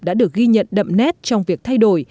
đã được ghi nhận đậm nét trong việc thay đổi